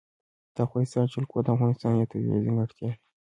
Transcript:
د افغانستان جلکو د افغانستان یوه طبیعي ځانګړتیا ده.